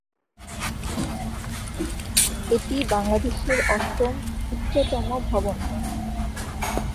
এটি বাংলাদেশের অষ্টম উচ্চতম ভবন।